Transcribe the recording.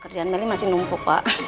kerjaan melly masih numpuk pak